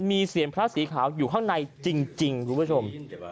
มีเสียงพระสีขาวอยู่ข้างในจริงคุณผู้ชม